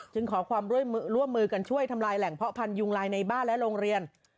ขอความร่วมมือกันช่วยทำลายแหล่งเพาะพันธุยุงลายในบ้านและโรงเรียน